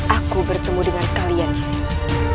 aku bertemu dengan kalian disini